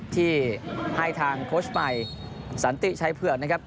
ที่ให้ทางโค้ชใหม่สันติชัยเผือกนะครับ